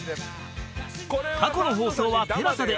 過去の放送は ＴＥＬＡＳＡ で